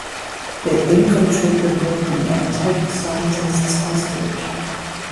They infiltrate the building and take the scientists hostage.